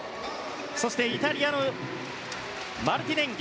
そしてイタリアのマルティネンギ